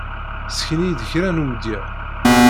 Ssken-iyi-d kra n umedya.